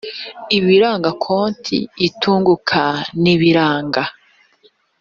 ibiranga konti itunguka n ibiranga